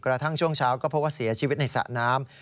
กระทั่งช่วงเช้าก็พบว่าเสียชีวิตในสระน้ำ